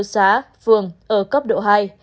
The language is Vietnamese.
hai trăm sáu mươi bốn xã vườn ở cấp độ hai